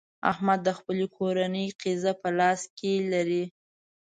احمد د خپلې کورنۍ قېزه په خپل لاس کې لري.